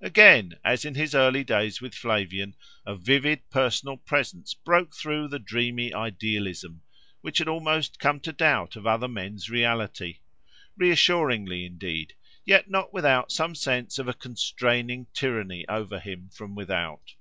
Again, as in his early days with Flavian, a vivid personal presence broke through the dreamy idealism, which had almost come to doubt of other men's reality: reassuringly, indeed, yet not without some sense of a constraining tyranny over him from without.